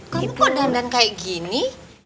kamu kok dandan kayak gini